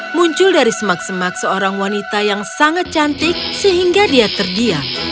muncul dari semak semak seorang wanita yang sangat cantik sehingga dia terdiam